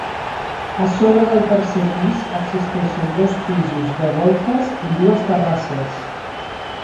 A sobre del tercer pis existeixen dos pisos de golfes i dues terrasses.